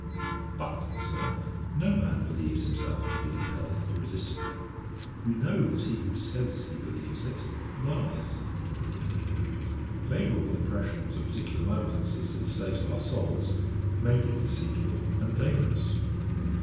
But, Sir, no man believes himself to be impelled irresistibly; we know that he who says he believes it, lies. Favourable impressions at particular moments, as to the state of our souls, may be deceitful and dangerous.